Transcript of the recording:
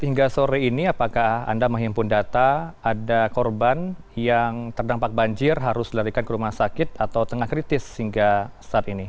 hingga sore ini apakah anda menghimpun data ada korban yang terdampak banjir harus dilarikan ke rumah sakit atau tengah kritis hingga saat ini